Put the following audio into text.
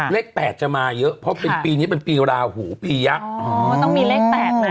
เลขแปดจะมาเยอะเพราะเป็นปีนี้เป็นปีหุ่นวาหูบียักษ์ต้องมีเลขแปดแหละ